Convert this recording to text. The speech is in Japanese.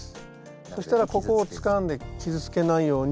そしたらここをつかんで傷つけないように。